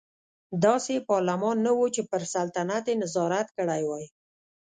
داسې پارلمان نه و چې پر سلطنت یې نظارت کړی وای.